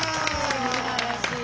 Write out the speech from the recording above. すばらしい。